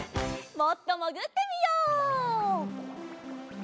もっともぐってみよう。